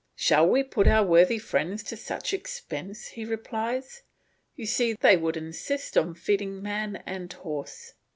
"Shall we put our worthy friends to such expense?" he replies. "You see they would insist on feeding man and horse."